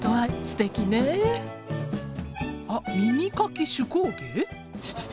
あっ耳かき手工芸？